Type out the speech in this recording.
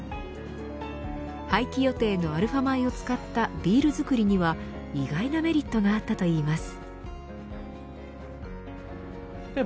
廃棄予定のアルファ米を使ったビール造りには意外なメリットがあったといいます。